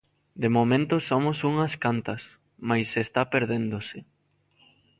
De momento somos unhas cantas, mais está perdéndose.